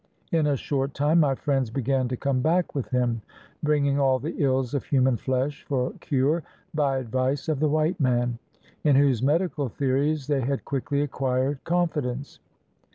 In a short time my friends began to come back with him, bringing all the ills of human flesh for cure by advice of the white man, in whose medical theories they had quickly acquired con fidence.